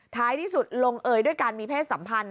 ท้ายที่สุดลงเอยด้วยการมีเพศสัมพันธ